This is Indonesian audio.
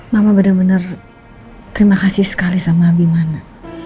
mama benar benar terima kasih sekali sama habimana